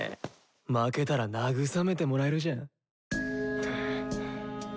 負けたら慰めてもらえるじゃん。